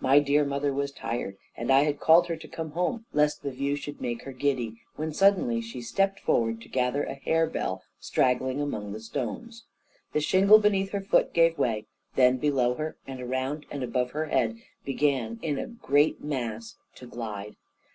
My dear mother was tired, and I had called her to come home, lest the view should make her giddy; when suddenly she stepped forward to gather a harebell straggling among the stones. The shingle beneath her foot gave way, then below her, and around, and above her head, began in a great mass to glide.